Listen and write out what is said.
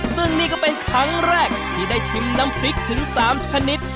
ซึ่งนี่ก็เป็นครั้งแรกที่ได้ชิมน้ำพริกถึง๓ชนิด